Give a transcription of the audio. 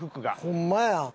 ホンマやん。